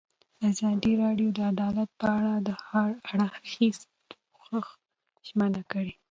ازادي راډیو د عدالت په اړه د هر اړخیز پوښښ ژمنه کړې.